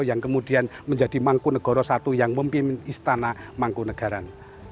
yang kemudian menjadi mangkunegoro i yang memimpin istana mangkunegaran